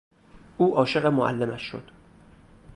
او عاشق معلمش شد.